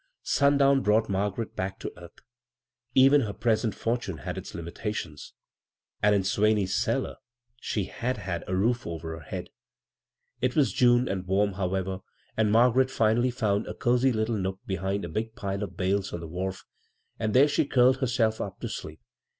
Dwn brought Margaret back to earth her present fortune had its limita b, Google CROSS CURRENTS tions, and in Swane/s cellar she had \ a roof over her head ! It was June, i warm, however, and Margaret finaJly foun cozy little nook behind a big pile of bales the wharf ; and there she curled herself to sleep.